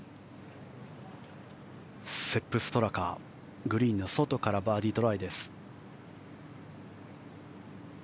セップ・ストラカグリーンの外からバーディートライです。